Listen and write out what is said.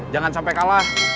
jangan sampai kalah